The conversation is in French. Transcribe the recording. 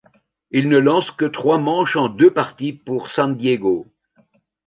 Il ne lance que trois manches en deux parties pour San Diego.